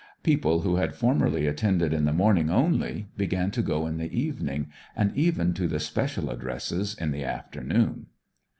People who had formerly attended in the morning only began to go in the evening, and even to the special addresses in the afternoon.